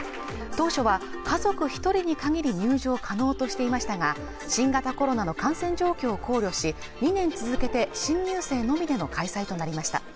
当初は家族一人に限り入場可能としていましたが新型コロナの感染状況を考慮し２年続けて新入生のみでの開催となりました